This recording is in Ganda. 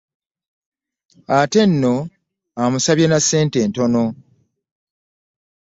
Ate nno amusabye na ssente ntono .